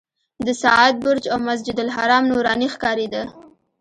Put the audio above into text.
د ساعت برج او مسجدالحرام نوراني ښکارېده.